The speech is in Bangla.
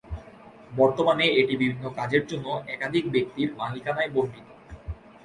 বর্তমানে এটি বিভিন্ন কাজের জন্য একাধিক ব্যক্তির মালিকানায় বণ্টিত।